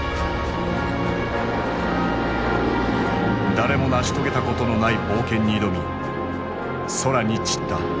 誰も成し遂げたことのない冒険に挑み空に散った。